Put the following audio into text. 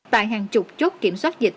tại hàng chục chốt kiểm soát dịch